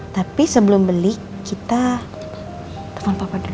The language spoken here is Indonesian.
tapi sebelum beli kita telpon papa dulu